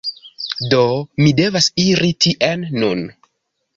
Do mi devas iri tien nun.